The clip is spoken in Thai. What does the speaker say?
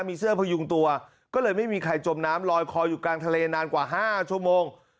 มีเสื้อพยุงตัวก็เลยไม่มีใครจมน้ำลอยคออยู่กลางทะเลนานกว่า๕ชั่วโมง